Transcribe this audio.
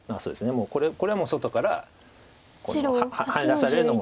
もうこれは外からハネ出されるのも。